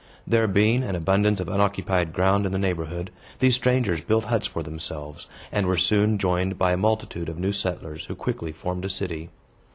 There being abundance of unoccupied ground in the neighborhood, these strangers built huts for themselves, and were soon joined by a multitude of new settlers, who quickly formed a city.